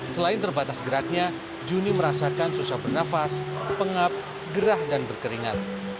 selain terbatas geraknya juni merasakan susah bernafas pengap gerah dan berkeringat